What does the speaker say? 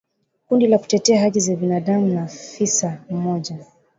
Kundi la kutetea haki za binadamu na afisa mmoja